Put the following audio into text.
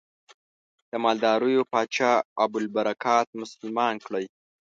د مالدیو پاچا ابوالبرکات مسلمان کړی.